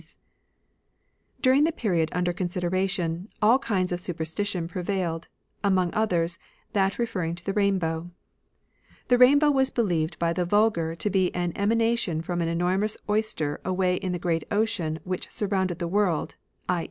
Super During the period imder considera stitions. tion, all kinds of superstition prevailed ; Z' among others, that referring to the rainbow. The rainbow was believed by the vulgar to be an emanation from an enormous oyster away in the great ocean which surroimded the world, i.